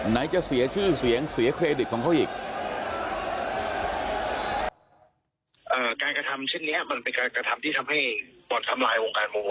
ไหนจะเสียชื่อเสียงเสียเครดิตของเขาอีก